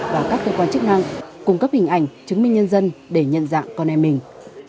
và các cơ quan chức năng cung cấp hình ảnh chứng minh nhân dân để nhận dạng con em mình